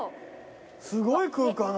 すごい空間。